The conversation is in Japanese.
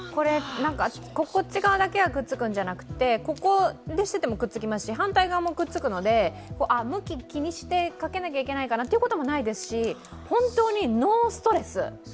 こっち側だけがくっつくんじゃなくて、ここをしててもくっつきますし、反対側もくっつきますし向き気にしてかけなきゃいけないかなということもないですし本当にノンストレス。